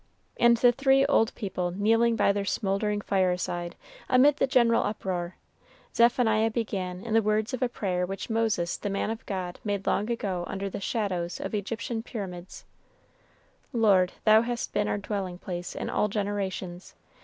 And the three old people kneeling by their smouldering fireside, amid the general uproar, Zephaniah began in the words of a prayer which Moses the man of God made long ago under the shadows of Egyptian pyramids: "Lord, thou hast been our dwelling place in all generations.